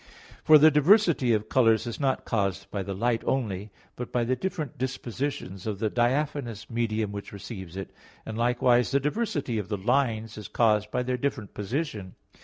For the diversity of colors is not caused by the light only, but by the different disposition of the diaphanous medium which receives it; and likewise, the diversity of the lines is caused by their different position.